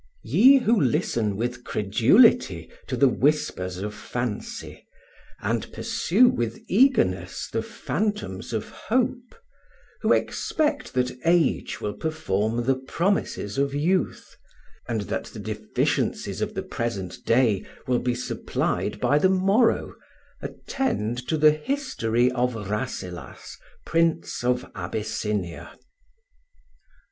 YE who listen with credulity to the whispers of fancy, and pursue with eagerness the phantoms of hope; who expect that age will perform the promises of youth, and that the deficiencies of the present day will be supplied by the morrow, attend to the history of Rasselas, Prince of Abyssinia.